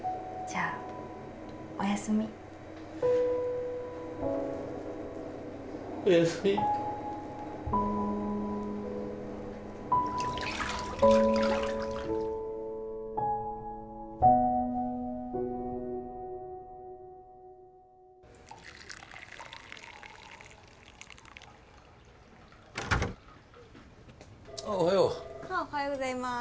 ああおはようございます。